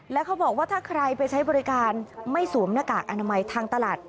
แล้วเขาบอกว่าถ้าใครไปใช้บริการไม่สวมหน้ากากอนามัยทางตลาด